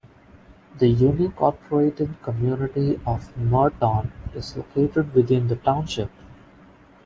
The unincorporated community of Merton is located within the township.